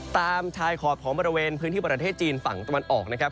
ตามชายขอบของบริเวณพื้นที่ประเทศจีนฝั่งตะวันออกนะครับ